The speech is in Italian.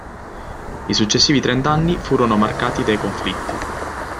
I successivi trent'anni furono marcati dai conflitti.